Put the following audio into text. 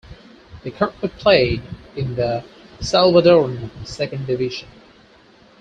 They currently play in the Salvadoran Second Division.